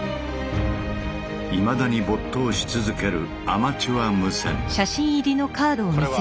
いまだに没頭し続けるアマチュア無線。